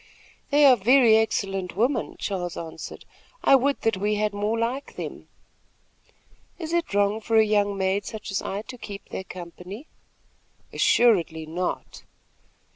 "They are very excellent women," Charles answered, "I would that we had more like them." "Is it wrong for a young maid such as I to keep their company?" "Assuredly not."